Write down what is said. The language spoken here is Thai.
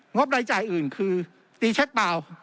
บรายจ่ายอื่นคือตีเช็คเปล่า